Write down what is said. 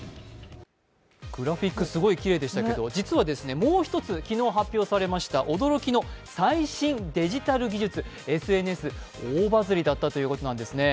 グラフィックすごいきれいでしたけど実はもう一つ、昨日発表されました驚きの最新デジタル技術、ＳＮＳ、大バズリだったということなんですね。